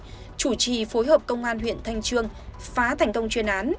vừa chủ trì phối hợp công an huyền thanh trương phá thành công chuyên án